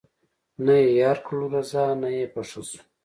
نه یې یار کړلو رضا نه یې په ښه شو